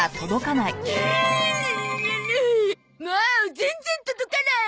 もう全然届かない！